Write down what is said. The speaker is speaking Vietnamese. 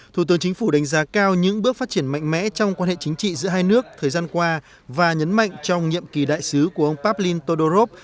thủ tướng chính phủ đánh giá cao những bước phát triển mạnh mẽ trong quan hệ chính trị giữa hai nước thời gian qua và nhấn mạnh trong nhiệm kỳ đại sứ của ông pavlin todorov